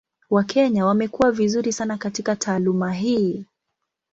Wakenya wamekuwa vizuri sana katika taaluma hii.